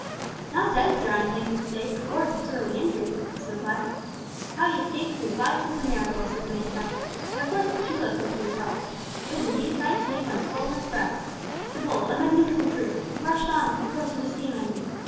"Not dead, sir, I am thankful to say, but gored and sorely injured," was the reply. "How he escaped with life is a miracle," said the manufacturer; "but of course the chulos went to his help. It was indeed a sight to make one hold one's breath! The bull, a magnificent brute, rushed on with the force of a steam engine.